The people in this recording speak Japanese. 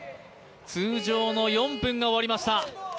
通常の４分が終わりました。